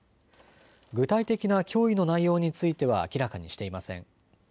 具体的な脅威の内容については明らかにしていません。